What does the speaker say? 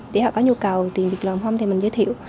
để họ có nhu cầu tìm việc làm không thì mình giới thiệu